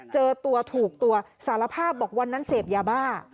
เจอตัวถูกตัวสารภาพบอกวันนั้นเสพยาบ้า